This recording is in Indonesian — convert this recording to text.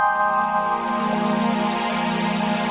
pertarung apapun lah ya